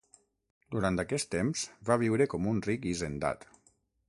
Durant aquest temps va viure com un ric hisendat.